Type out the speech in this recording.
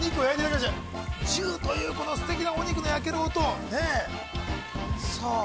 ジューというすてきなお肉の焼ける音。